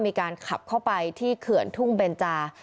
มีการขับเข้าไปที่เขื่อนทุ่งเบนจา